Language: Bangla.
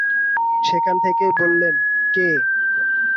সেখান থেকেই বললেন, কে?